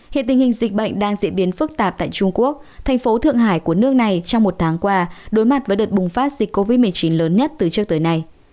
hiện tình hình dịch bệnh đang diễn biến phức tạp tại trung quốc thành phố thượng hải của nước này trong một tháng qua đối mặt với đợt bùng phát dịch covid một mươi chín lớn nhất từ trước tới nay